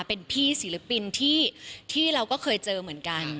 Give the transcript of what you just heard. เป็นพี่ศิลปินที่เราก็เคยเจอเหมือนกัน